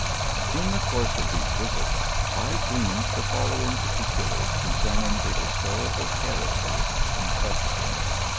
In the course of these visits I gleaned the follow ing particulars concerning the historical characters In question.